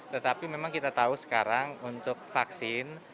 tetapi memang kita tahu sekarang untuk vaksin